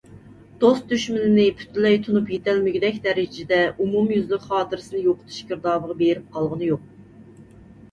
دوست - دۈشمىنىنى پۈتۈنلەي تونۇپ يېتەلمىگۈدەك دەرىجىدە ئومۇميۈزلۈك خاتىرىسىنى يوقىتىش گىردابىغا بېرىپ قالغىنى يوق.